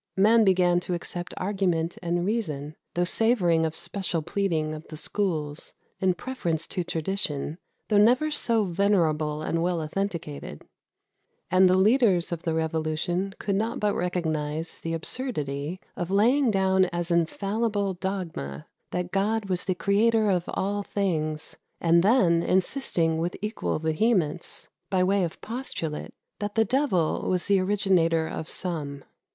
Men began to accept argument and reason, though savouring of special pleading of the schools, in preference to tradition, though never so venerable and well authenticated; and the leaders of the revolution could not but recognize the absurdity of laying down as infallible dogma that God was the Creator of all things, and then insisting with equal vehemence, by way of postulate, that the devil was the originator of some.